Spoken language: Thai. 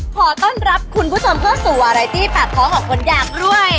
ขอต้อนรับคุณผู้ชมเพิ่มสู่วารายที่ปรากฏของคนอยากรวย